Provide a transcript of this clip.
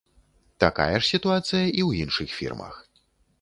Такая ж сітуацыя і ў іншых фірмах.